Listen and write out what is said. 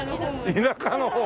「田舎の方」。